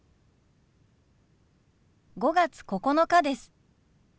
５月９日です。